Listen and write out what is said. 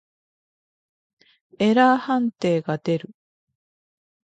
エラー判定が出る。